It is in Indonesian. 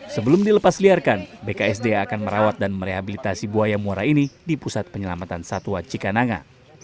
sebelum dilepas liarkan bksda akan merawat dan merehabilitasi buaya muara ini di pusat penyelamatan satwa cikananga